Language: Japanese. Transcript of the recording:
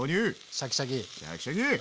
シャキシャキ！